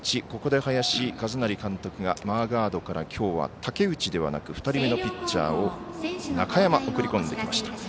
ここで林和成監督がマーガードからきょうは武内ではなく２人目のピッチャー中山、送り込んできました。